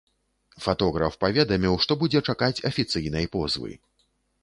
Фатограф паведаміў, што будзе чакаць афіцыйнай позвы.